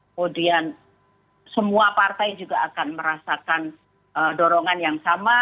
kemudian semua partai juga akan merasakan dorongan yang sama